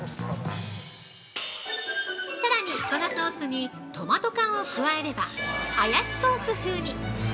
さらにこのソースにトマト缶を加えればハヤシソース風に！